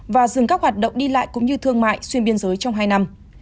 và dừng các hoạt động đi lại cũng như thương mại xuyên biên giới trong hai năm